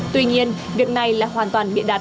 tuy nhiên việc này là hoàn toàn bịa đặt